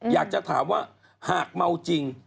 อยากจะถามว่าหากเมาจริง